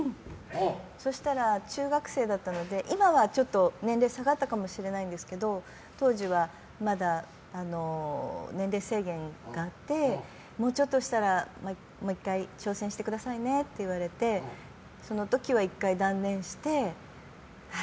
そしたら、中学生だったので今はちょっと年齢が下がったかもしれないんですけど当時はまだ年齢制限があってもうちょっとしたらもう１回挑戦してくださいねって言われてその時は１回断念して。